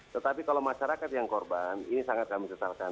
tetapi kalau masyarakat yang korban ini sangat kami kesalkan